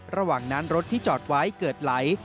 ระหว่างนั้นรถที่จอดไว้เกิดไหล